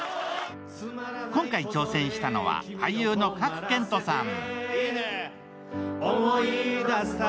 今回挑戦したのは、俳優の賀来賢人さん。